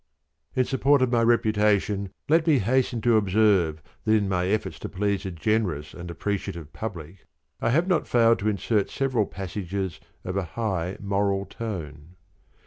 _ _In support of my reputation let me hasten to observe that in my efforts to please a generous and appreciative Public I have not failed to insert several passages of a high moral tone.